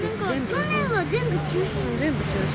去年は全部中止。